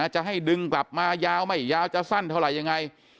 จะให้ดึงกลับมายาวไม่ยาวจะสั้นเท่าไหร่ยังไง